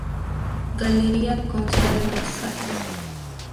Galería consta de dos salas.